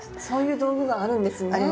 そういう道具があるんですね。